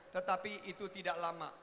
tetapi itu tidak lama